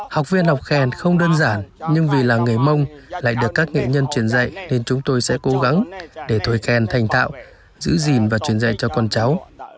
học viên học khen không đơn giản nhưng vì là người mông lại được các nghệ nhân truyền dạy nên chúng tôi sẽ cố gắng để thói khen thành thạo giữ gìn và truyền dạy cho con cháu